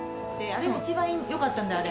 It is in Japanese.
あれが一番良かったんだよ。